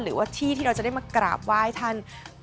หรือว่าที่ที่เราจะได้มากราบไหว้ท่าน